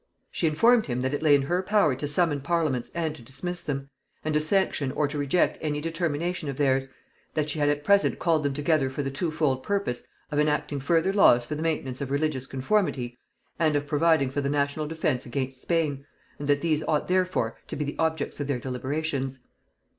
She informed him, that it lay in her power to summon parliaments and to dismiss them; and to sanction or to reject any determination of theirs; that she had at present called them together for the twofold purpose, of enacting further laws for the maintenance of religious conformity, and of providing for the national defence against Spain; and that these ought therefore to be the objects of their deliberations.